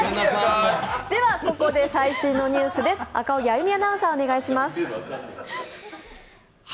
では、ここで最新のニュースです。